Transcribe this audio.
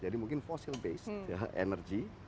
jadi mungkin fosil base energi